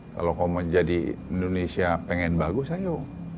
kalau mau menjadi indonesia pengen bagus ayo